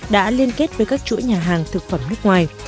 đã liên kết với các chuỗi nhà hàng thực phẩm nước ngoài